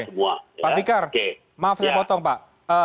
semua oke pak fikar maaf saya potong pak oke